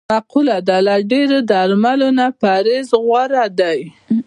مقوله ده: له ډېری درملو نه پرهېز غور دی.